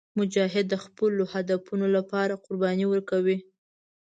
مجاهد د خپلو هدفونو لپاره قرباني ورکوي.